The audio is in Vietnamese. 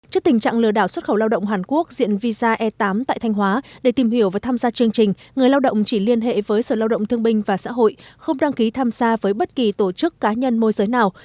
trước tình trạng lừa đảo xuất khẩu lao động hàn quốc diện visa e tám tại thanh hóa để tìm hiểu và tham gia chương trình người lao động chỉ liên hệ với sở lao động thương binh và xã hội không đăng ký tham gia với bất kỳ tổ chức cá nhân môi giới nào